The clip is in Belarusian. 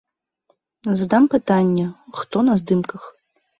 Задам пытанне, хто на здымках.